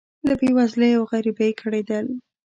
له بې وزلۍ او غریبۍ کړېدل.